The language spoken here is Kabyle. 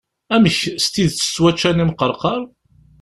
Amek, s tidet ttwaččan imqerqar?